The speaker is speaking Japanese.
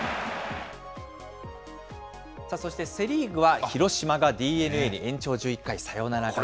そしてセ・リーグは広島がＤｅＮＡに延長１１回サヨナラ勝ち。